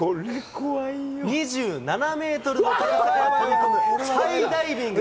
２７メートルの高さから飛び込むハイダイビング。